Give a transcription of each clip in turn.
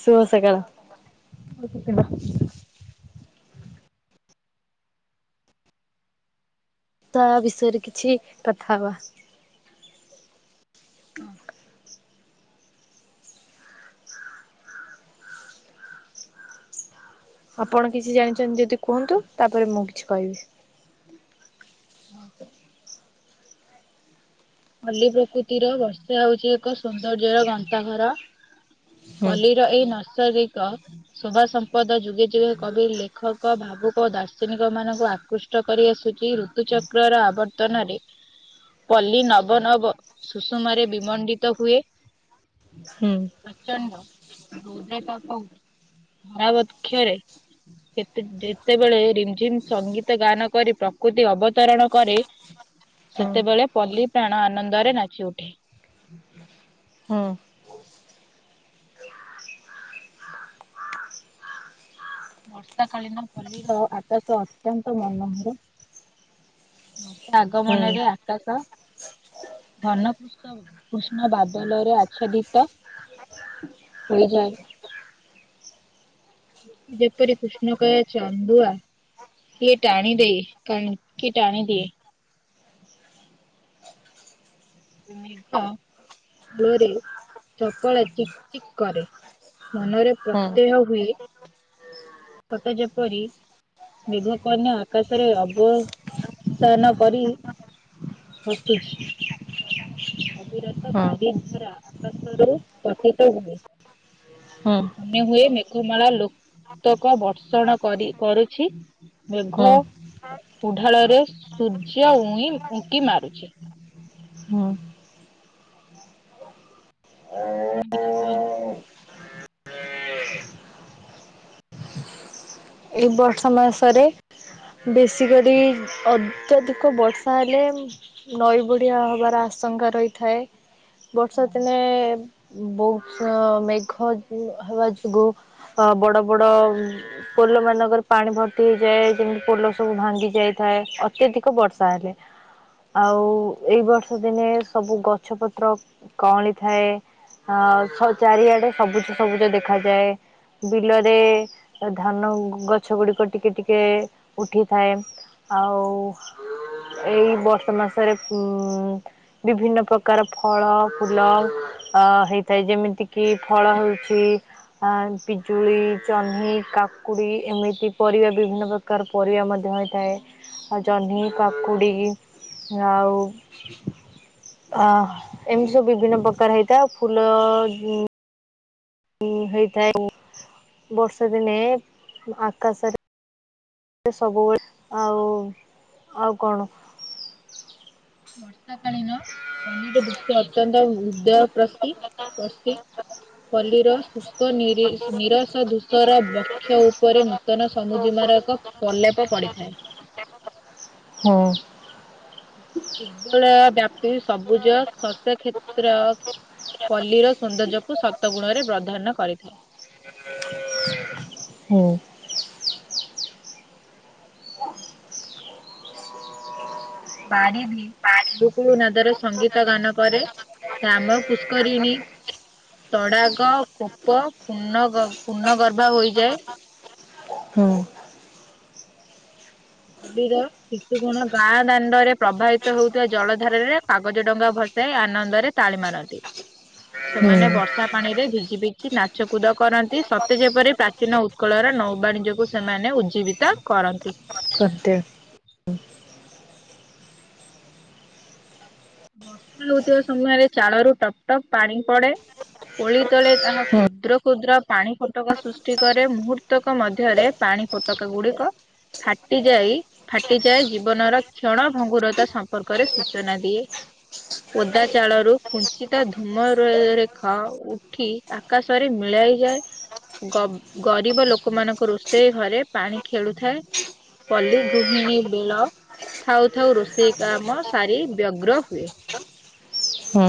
ଶୁଭ ସକାଳ। ଆଉତଥିଲା [unintelligible] ତା ବିଷୟରେ କିଛି କଥା ହବା। ହଁ। ଆପଣ କିଛି ଜାଣିଛନ୍ତି ଯଦି କୁହନ୍ତୁ ତାପରେ ମୁଁ କିଛି କହିବି। ହଁ। ପଲ୍ଲୀ ପ୍ରକୃତିର ବର୍ଷା ହଉଛି ଏକ ସୌନ୍ଦର୍ଯ୍ୟର ଗନ୍ତାଘର ହୁଁ ପଲି ଏଇ ନର୍ସରିକ ଶୋଭା ସମ୍ପଦ ଯୁଗେ ଯୁଗେ କବି ଲେଖକ ଭା ଭାବୁକ ଦାର୍ଶନିକ ମାନଙ୍କୁ ଆକୃଷ୍ଟ କରି ଆସୁଛି ଋତୁଚକ୍ର ର ଆବର୍ତ୍ତନରେ ପଲ୍ଲୀ ନବ- ନବ ସୁଷୁମରେ ବିମଣ୍ଡିତ ହୁଏ। ହୁଁ ପ୍ରଚଣ୍ଡ ହୃଦ [unintelligible] ପରା ବକ୍ଷୟ ରେ କେତେ ଯେତେବେଳେ ରିମ୍ ଝିମ୍ ସଙ୍ଗୀତ ଗାନ କରି ପ୍ରକୃତି ଅବତରଣ କରେ ହୁଁ ସେତେବେଳେ ପଲ୍ଲୀ ପ୍ରାଣ ଆନନ୍ଦରେ ନାଚି ଉଠେ। ହୁଁ ବର୍ଷା କାଳୀନ ପଲ୍ଲୀର ଆକାଶ ଅତ୍ୟନ୍ତ ମନୋହର। ହୁଁ ଆଗମନରେ ଆକାଶ ଘନକୃଷ୍ଣ -କୃଷ୍ଣ ବାଦଲରେ ଆଚ୍ଛାଦିତ ହୋଇଯାଏ। ଯେପରି କୃଷ୍ଣ କହିବା ଚନ୍ଦୁଆ। କିଏ ଟାଣି ଦେଇ କ କିଏ ଟାଣି ଦିଏ। ମେଘ ଯୋଓରେ ଚପଳା ଚିକ୍ ଚିକ୍ କରେ। ମନରେ ହୁଁ ପ୍ରତ୍ୟୟ ହୁଏ ସତେ ଯେପରି ମେଘକନ୍ୟା ଆକାଶରେ ଅବ -ସ୍ଥାନ କରି ହସୁଛି। ଅବିରତ ହୁଁ ବାରି ଧାରା ଆକାଶରୁ ପଠିତ ହୁଏ। ହଁ। ଆମେ ହୁଏ ମେଘମାଳା ଲୋ-ତକ ବର୍ଷଣ କରି କରୁଛି। ମେଘ ହୁଁ ଉଢାଳରେ ସୂର୍ଯ୍ୟ ଉଇଁ ଉଙ୍କି ମାରୁଛି। ହୁଁ ହୁଁ। [unintelligible] କଣ କିଛି କୁହନ୍ତୁ? ଏଇ ବର୍ଷ ମାସରେ ବେଶୀ କରି ଅତ୍ୟଧିକ ବର୍ଷା ହେଲେ ନଈ ବଢ଼ିଆ ହେବାର ଆଶଙ୍କା ରହିଥାଏ। ବର୍ଷା ଦିନେ ବହୁତ ମେଘ ଜୁ ହେବା ଯୋଗୁଁ ଅ ବଡ଼, ବଡ଼ ପୋଲ ମାନଙ୍କରେ ପାଣି ଭର୍ତ୍ତି ହେଇଯାଏ, ଯେମିତି ପୋଲ ସବୁ ଭାଙ୍ଗି ଯାଇଥାଏ ଅତ୍ୟଧିକ ବର୍ଷା ହେଲେ। ଆଉ ଏଇ ବର୍ଷ ଦିନେ ସବୁ ଗଛ ପତ୍ର କଅଁଳି ଥାଏ। ଆଉ ଛଅ ଚାରିଆଡ଼େ ସବୁଜ ସବୁଜ ଦେଖାଯାଏ ବିଲରେ ଧାନ ଗ ଗଛ ଗୁଡ଼ିକ ଟିକିଏ ଟିକିଏ ଉଠିଥାଏ। ଆଉ ଏଇ ବର୍ଷ ମାସରେ ପୁ ବିଭିନ୍ନ ପ୍ରକାର ଫଳ ଫୁଲ ଅ ହେଇଥାଏ ଯେମିତି କିି ଫଳ ହଉଛି ଆ ପିଜୁଳି ଜନ୍ହୀ କା କୁଡି ଏମିତି ପରିବା ବିଭିନ୍ନ ପ୍ରକାର ପରିବା ମଧ୍ୟ ହୋଇଥାଏ। ଆଉ ଜହ୍ନି କାକୁଡ଼ି ଆଉ ଅ ହଁ ଏମିତି ସବୁ ବିଭିନ୍ନ ପ୍ରକାର ହେଇଥାଏ ଆଉ ଫୁଲ ଉ ଉ ହେଇଥାଏ ଉ ବର୍ଷା ଦିନେ ଆକାଶରେ ସବୁବେଳେ ଆଉ ଆଉ କଣ ବର୍ଷା କାଳୀନ ପଲ୍ଲୀ ର ଦୃଶ୍ୟ ଅତ୍ୟନ୍ତ ହୃଦୟ ପ୍ରଶି ପ୍ରସି ପଲ୍ଲିର ଶୁଷ୍କ ନିରି ନିରସ ଦୃଶ୍ୟର କ୍ଷ ଉପରେ ନୂତନ ସମୁଜିମାର ଏକ ପ୍ରଲେପ ପଡ଼ିଥାଏ। ହ। ଦଳ ବ୍ୟାପୀ ସବୁଜ ଶସ୍ୟ କ୍ଷେତ୍ର ପଲିିର ସୌନ୍ଦର୍ଯ୍ୟକୁୁ ସତ ଗୁଣ ରେ ପ୍ରଧାନ୍ୟ କରିଥାଏ। ହୁଁ। ବାରିଧି କୁଳୁକୁଳୁ ନାଦର ସଙ୍ଗୀତ ଗାନ କରେ କାମ ପୁଷ୍କରିଣୀ ତଡ଼ାଗ କୋପ ପୂର୍ଣ୍ଣ ଗ ପୂର୍ଣ୍ଣ ଗର୍ଭା ହୋଇଯାଏ। ହୁଁ [unintelligible] ର ଶିଶୁ ଗଣ ଗାଁ ଦାଣ୍ଡରେ ପ୍ରବାହିତ ହେଉଥିବା ଜଳ ଧାରରେ କାଗଜ ଡଙ୍ଗା ଭ ସାଇ ଆନନ୍ଦରେ ତାଳି ମାରନ୍ତି। ସେମାନେ ହୁଁ ବର୍ଷା ପାଣି ରେ ଭିଜି ଭିଜି ନାଚ କୁଦ କରନ୍ତି ସତେ ଯେପରି ପ୍ରା ଚୀନ ଉତ୍କଳର ନୌବାଣିଜ୍ୟକୁ ସେମାନେ ଉଜ୍ଜୀବିତ କରନ୍ତି। [unintelligible] ବର୍ଷା ହଉଥିବା ସମୟରେ ଚାଳରୁ ଟପ୍ ଟପ୍ ପାଣି ପଡେ। ଓଳି ତଳେ ତାହା ହୁଁ କ୍ଷୁଦ୍ର କ୍ଷୁଦ୍ର ପାଣି ଫଟକା ସୃଷ୍ଟି କରେ ମୁହୂ ର୍ତ୍ତକ ମଧ୍ୟରେ ପାଣି ଫୋଟକା ଗୁଡିକ ଫାଟିଯାଇ ଫାଟିଯାଏ ଜୀବନର କ୍ଷଣ ଭଙ୍ଗୁରତା ସମ୍ପର୍କରେ ସୂଚନା ଦିଏ। ଓଦା ଚାଳରୁ କୁଞ୍ଚିତ ଧୂମରେ-ରେଖ ଉଠି ଆକାଶରେ ମିଳାଇଯାଏ। ଗ-ଗରିବ ଲୋକମାନଙ୍କ ରୋଷେଇ ଘରେ ପାଣି ଖେଳୁଥାଏ। ପଲ୍ଲି ଗୃହିଣୀ ବିଳ ଥାଉ ଥାଉ ରୋଷେଇ କାମ ସାରି ବ୍ୟଗ୍ର ହୁଏ। ହୁଁ।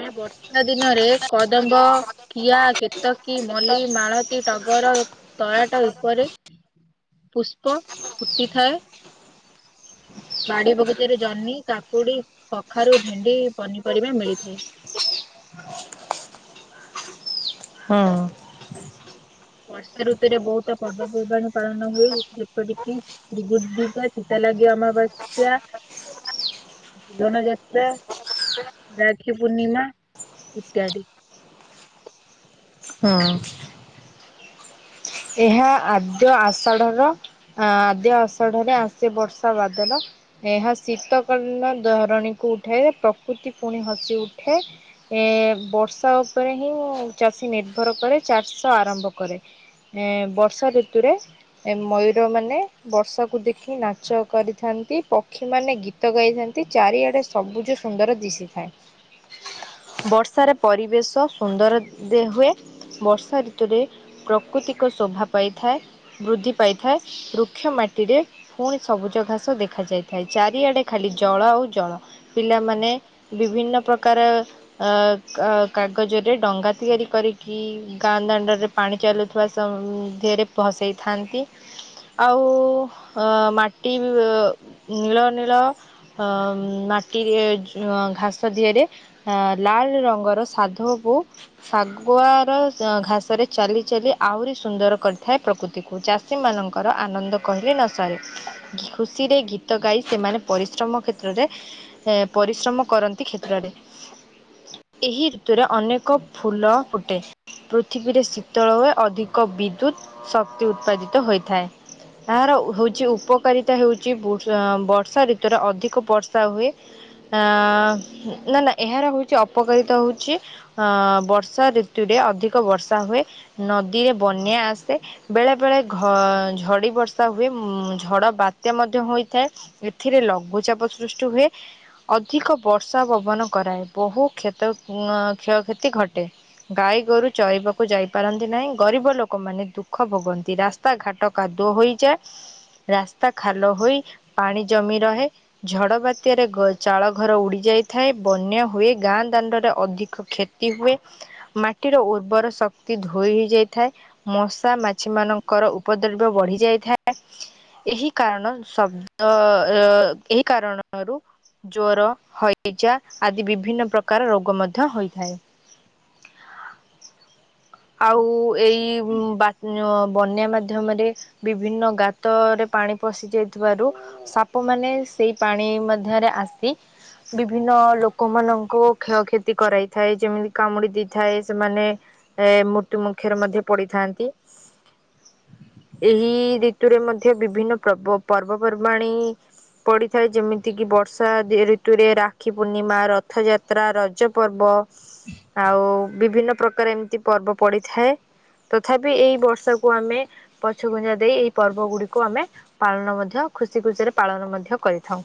ଏ ବର୍ଷା ଦିନରେ କଦମ୍ବ କିଆ, କେତକୀ, ମଲ୍ଲି, ମାଳତୀ, ଟଗର, ତରାଟ ଉପରେ ପୁଷ୍ପ ଫୁଟିଥାଏ। ବାଡି ବଗିଚା ରେ ଜହ୍ନି, କାକୁଡି, କଖାରୁ, ଭେଣ୍ଡି ପନିପରିବା ମିଳିଥାଏ। ହଁ। ବର୍ଷା ଋତୁରେ ବହୁତ ପର୍ବପର୍ବାଣୀ ପାଳନ ହୁଏ ଯେପରିକି ଶ୍ରୀ ଗୁଣ୍ଡିଚା, ଚିତା ଲାଗି ଅମାବାସ୍ୟା ଧନୁଯାତ୍ରା ରାକ୍ଷୀ ପୂର୍ଣ୍ଣିମା ଇତ୍ୟାଦି। ହଁ। ଏହା ଆଦ୍ୟ ଆଷାଢ ର ଆଦ୍ୟ ଆଷାଢରେ ଆସେ ବର୍ଷା ବାଦଲ। ଏହା ଶୀତ କାଳୀନ ଧରଣୀକୁ ଉଠାଏ ପ୍ରକୃତି ପୁଣି ହସି ଉଠେ। ଏ ବର୍ଷା ଉପରେ ହିଁ ଚାଷୀ ନିର୍ଭର କରେ ଚାଷ ଆରମ୍ଭ କରେ। ଏ ବର୍ଷା ଋତୁରେ ଏ ମୟୂରମାନେ ବର୍ଷାକୁ ଦେଖି ନାଚ କରିଥାନ୍ତି। ପକ୍ଷୀମାନେ ଗୀତ ଗାଇଥାନ୍ତି। ଚାରିଆଡେ ସବୁଜ ସୁନ୍ଦର ଦିଶିଥାଏ। ବର୍ଷାରେ ପରିବେଶ ସୁନ୍ଦର ଦେ ହୁଏ। ବର୍ଷା ଋତୁରେ ପ୍ରକୃତିକ ଶୋଭା ପାଇଥାଏ ବୃଦ୍ଧି ପାଇଥାଏ। ବୃକ୍ଷ ମାଟିରେ ଫୁଣି ସବୁଜ ଘାସ ଦେଖାଯାଇଥାଏ। ଚାରିଆଡେ ଖାଲି ଜଳ ଆଉ ଜଳ। ପିଲାମାନେ ବିଭିନ୍ନ ପ୍ରକାର ଅକ-କାଗଜରେ ଡଙ୍ଗା ତିଆରି କରିକି ଗାଁ ଦାଣ୍ଡରେ ପାଣି ଚାଲୁ [unintelligible] ସମ୍ ଧିଅରେ ଭସେଇଥାନ୍ତି। ଆଉ ଅ ମାଟି ନୀଳନୀଳ ଅ ମାଟିରେ ଯ ଘାସ ଦିହରେ ଲାଲ ରଙ୍ଗର ସାଧବବୋଉ ଶାଗୁଆର ଘାସରେ ଚାଲି ଚାଲି ଆହୁରି ସୁନ୍ଦର କରିଥାଏ ପ୍ରକୃତିକୁ। ଚାଷୀମାନଙ୍କର ଆନନ୍ଦ କହିଲେ ନସରେ। ଘି ଖୁସିରେ ଗୀତ ଗାଇ ସେମାନେ ପରିଶ୍ରମ କ୍ଷେତ୍ରରେ ଏ ପରିଶ୍ରମ କରନ୍ତି କ୍ଷେତ୍ରରେ। ଏହି ଋତୁରେ ଅନେକ ଫୁଲ ଫୁଟେ ପୃଥିବୀରେ ଶୀତଳ ହୁଏ। ଅଧିକ ବିଦ୍ୟୁତ୍ ଶକ୍ତି ଉତ୍ପାଦିତ ହୋଇଥାଏ। ଏହାର ହେଉଚି ଉପକାରିତା ହେଉଚି ବୁର୍ଷା ବର୍ଷା ଋତୁରେ ଅଧିକ ବର୍ଷା ହୁଏ। ଆ ନା ନା ଏହାର ହଉଚି ଅପକାରତା ହଉଚି ଅ ବର୍ଷା ଋତୁରେ ଅଧିକ ବର୍ଷା ହୁଏ ନଦୀରେ ବନ୍ୟା ଆସେ। ବେଳେ ବେଳେ ଘ ଝଡି ବର୍ଷା ହୁଏ ଉ ଝଡ ବାତ୍ୟା ମଧ୍ୟ ହୋଇଥାଏ। ଏଥିରେ ଲଘୁଚାପ ସୃଷ୍ଟି ହୁଏ। ଅଧିକ ବର୍ଷା ପବନ କରାଏ। ବହୁ କ୍ଷତ କ୍ଷୟକ୍ଷତି ଘଟେ। ଗାଈ ଗୋରୁ ଚରିବାକୁ ଯାଇଥା ପାରନ୍ତି ନାହିଁ। ଗରିବ ଲୋକମାନେ ଦୁଃଖ ଭୋଗନ୍ତି। ରାସ୍ତା ଘାଟ କାଦୁଅ ହୋଇଯାଏ। ରାସ୍ତା ଖାଲ ହୋଇ ପାଣି ଜମି ରହେ। ଝଡ ବାତ୍ୟାରେ ଗ ଚାଳ ଘର ଉଡି ଯାଇଥାଏ। ବନ୍ୟା ହୁଏ। ଗାଁ ଦାଣ୍ଡରେ ଅଧିକ କ୍ଷ ହୁଏ। ମାଟିର ଉର୍ବର ଶ ତି ଧୋଇ ହେଇଯାଇଥାଏ। ମଶା ମାଛି ମାନଙ୍କର ଉପଦ୍ରବ୍ୟ ବଢି ଯାଇଥାଏ। ଏହି କାରଣ ଶବ୍ଦ ଏହି କାରଣରୁ ଜ୍ଵର, ହଇଜା ଆଦି ବିଭିନ୍ନ ପ୍ରକାର ରୋଗ ମଧ୍ୟ ହୋଇଥାଏ। ଆଉ ଏଇ ବାତ୍ ବନ୍ୟା ମାଧ୍ୟମରେ ବିଭିନ୍ନ ଗାତରେ ପାଣି ପଶି ଯାଇଥିବାରୁ ସାପମାନେ ସେଇ ପାଣି ମଧ୍ୟରେ ଆସି ବିଭିନ୍ନ ଲୋକମାନଙ୍କୁ କ୍ଷୟକ୍ଷତି କରାଇଥାଏ। ଯେମିତି କାମୁଡି ଦେଇଥାଏ। ସେମାନେ ଏ ମୃତ୍ୟୁ ମୁଖରେ ମଧ୍ୟ ପଡିଥାନ୍ତି। ଏହି ଋତୁରେ ମଧ୍ୟ ବିଭିନ୍ନ ପର୍ବ ପର୍ବପର୍ବାଣୀ ପଡିଥାଏ। ଯେମିତିକି ବର୍ଷା ଋତୁରେ ରାକ୍ଷୀ ପୂର୍ଣ୍ଣିମା, ରଥଯାତ୍ରା, ରଜପର୍ବ। ଆଉ ବିଭିନ୍ନ ପ୍ରକାର ଏମିତି ପର୍ବ ପଡିଥାଏ। ତଥାପି ଏଇ ବର୍ଷାକୁ ଆମେ ପଛ ଘୁଞ୍ଚା ଦେଇ ଏଇ ପର୍ବ ଗୁଡିକୁ ଆମେ ପାଳନ ମଧ୍ୟ ଖୁସି ଖୁସିରେ ପାଳନ ମଧ୍ୟ କରିଥାଉ।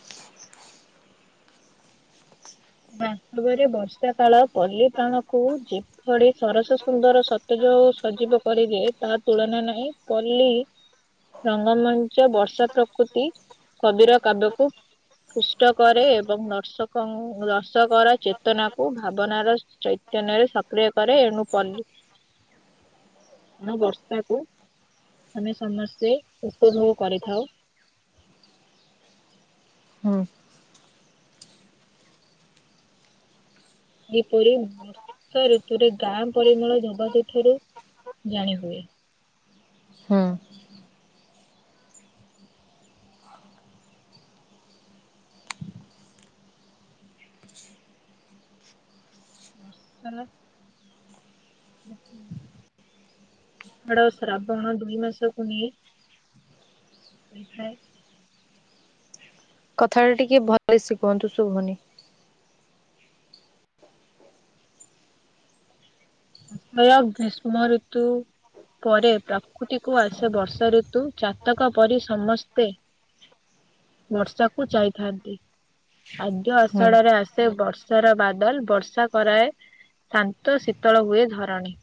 ବାସ୍ତବରେ ବର୍ଷା କାଳ ପଲ୍ଲୀପ୍ରାଣକୁ ଯେଭଳି ସରସ ସୁନ୍ଦର, ସତେଜ ଓ ସଜୀବ କରିଦିଏ। ତା ତୁଳନା ନାହିଁ। ପଲ୍ଲୀ ରଙ୍ଗମଞ୍ଚ ବର୍ଷା ପ୍ରକୃତି କବିର କାବ୍ୟକୁ କୁଷ୍ଟ କରେ। ଏବଂ ନର୍ଶକ କୃଷକର ଚେତନାକୁ ଭାବନାର ଚୈତନ୍ୟରେ ସକ୍ରିୟ କରେ। ଏଣୁ ପଲ୍ଲୀ ଓହୋ। ଏଣୁ ବର୍ଷାକୁ ଆମେ ସମସ୍ତେ ଉପଭୋଗ କରିଥାଉ। ହଁ। ଏପରି ବର୍ଷା ଋତୁରେ ଗାଁ ପରିମଳ ଧୋବା ତୁଠରୁ ଜାଣି ହୁଏ। ହଁ। ବର୍ଷା। ଆଷାଢ ଶ୍ରାବଣ ଦୁଇ ମାସକୁୁ ନେଇ ହେଇଥାଏ। କଥାଟା ଟିକେ ଭଲସେ କୁହନ୍ତୁ ଶୁଭନି। ଆଷାଢ ଗୀଷ୍ମ ଋତୁ। ପରେ ପ୍ରକୃତିକୁ ଆସେ ବର୍ଷା ଋତୁ। ଚାତକ ପରି ସମସ୍ତେ ବର୍ଷାକୁ ଚାଇଥାନ୍ତି। ଆଦ୍ୟ ହୁଁ ଆଷାଢରେ ଆସେ ବର୍ଷାର ବାଦଲ ବର୍ଷା କରାଏ। ଶାନ୍ତ ଶୀତଳ ହୁଏ ଧରଣୀ।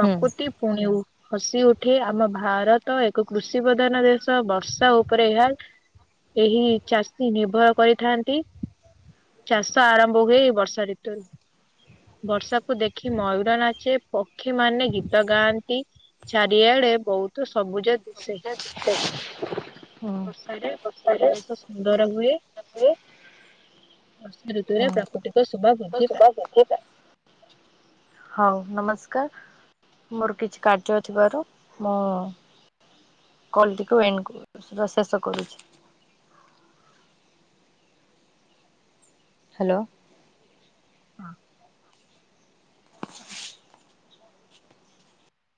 ହୁଁ। ହୁଁ। ପୁଣିଉ ହସି ଉଠେ ଆମ ଭାରତ ଏକ କୃଷି ପ୍ରଧାନ ଦେଶ ବର୍ଷା ଉପରେ ଏହା ଏହି ଚାଷୀ ନିର୍ଭର କରିଥାନ୍ତି। ଚାଷ ଆରମ୍ଭ ହୁଏ ଏଇ ବର୍ଷା ଋତୁରେ। ବର୍ଷା କୁ ଦେଖି ମୟୂର ନାଚେ। ପକ୍ଷୀମାନେ ଗୀତ ଗାଆନ୍ତି। ଚାରିଆଡେ ବହୁତ ସବୁଜ ଦିଶେ ବର୍ଷାରେ ହଁ। ପରିବେଶ ସୁନ୍ଦର ହୁଏ। ବର୍ଷା ଋତୁରେ ପ୍ରାକୃତିକ ଶୋଭା ବୃଦ୍ଧି ପାଏ। [unintelligible] ହଉ ନମସ୍କାର। ମୋର କିଛି କାର୍ଯ୍ୟ ଥିବାରୁ ମୁଁ କଲଟିକୁ ଏଣ୍ଡ କରୁ ଶେଷ କରୁଛି। ହ୍ୟାଲୋ। ହଁ।